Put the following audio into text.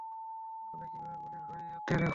ফোনে কীভাবে বলিস ভাই এই আত্মীয় নিখোঁজ?